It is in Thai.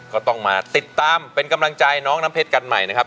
ก็ต้องมาติดตามเป็นกำลังใจน้องน้ำเพชรกันใหม่นะครับ